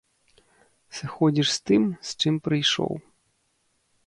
Сыходзіш з тым, з чым прыйшоў.